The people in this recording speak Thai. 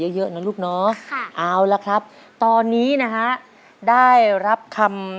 แล้วมุกมับมุกมับคุณด้วยครับครับ